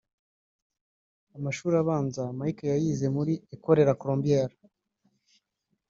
Amashuri abanza Mike yayize muri Ecole La Colombiere